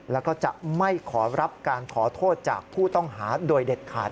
แล้วก็จะไม่ขอรับการขอโทษจากผู้ต้องหาโดยเด็ดขาด